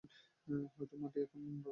হয়তো মাটি এখন নরম।